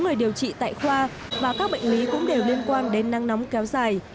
số người điều trị tại khoa và các bệnh lý cũng đều liên quan đến nắng nóng kéo dài